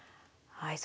はい。